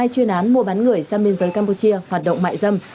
hai chuyên án mua bán người sang biên giới campuchia hoạt động mại dâm